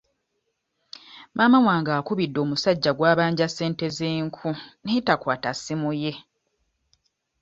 Maama wange akubidde omusajja gw'abanja ssente z'enku naye takwata ssimu ye.